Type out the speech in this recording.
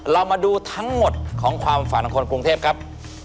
เรามาดูทั้งหมดของความฝันของคนกรุงเทพครับ